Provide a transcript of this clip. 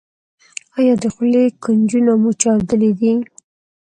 ایا د خولې کنجونه مو چاودلي دي؟